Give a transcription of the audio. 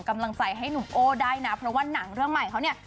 กำลังใจให้หนุ่มโอ้ได้นะเพราะว่าหนังเรื่องใหม่เขาเนี่ย